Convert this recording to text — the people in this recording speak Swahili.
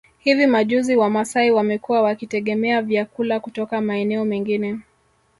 Hivi majuzi Wamasai wamekuwa wakitegemea vyakula kutoka maeneo mengine